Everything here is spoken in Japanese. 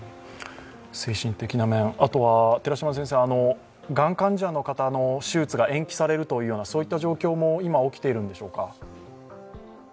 精神的な面、あとはがん患者の方の手術が延期されるというような状況も今、起きているんでしょうか？